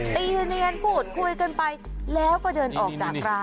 ตีเนียนพูดคุยกันไปแล้วก็เดินออกจากร้าน